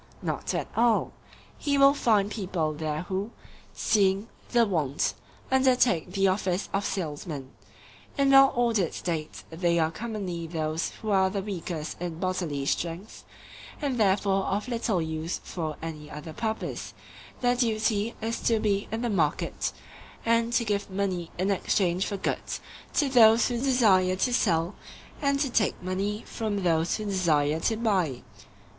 Not at all; he will find people there who, seeing the want, undertake the office of salesmen. In well ordered states they are commonly those who are the weakest in bodily strength, and therefore of little use for any other purpose; their duty is to be in the market, and to give money in exchange for goods to those who desire to sell and to take money from those who desire to buy.